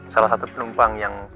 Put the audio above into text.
salah satu penumpang yang